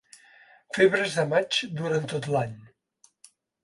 Febres de maig duren tot l'any.